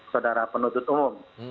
saudara penutup umum